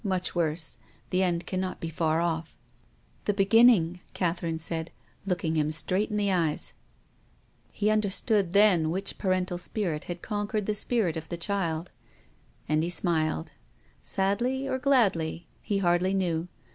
" Much worse. The end cannot be far off." 164 TONGUES OF CONSCIENCE. " The beginning," Catherine said, looking him straight in the eyes. He understood then which parental spirit had conquered the spirit of the child, and he smiled — sadly or gladly ? He hardly knew.